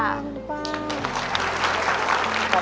ขอบคุณป้า